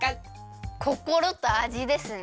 こころとあじですね。